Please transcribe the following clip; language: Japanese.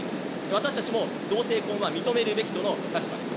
私たちも同性婚は認めるべきとの立場です。